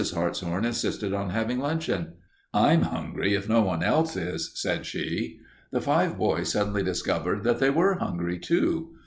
Hartshorn insisted on having luncheon. "I'm hungry if no one else is," said she. The five boys suddenly discovered that they were hungry, too.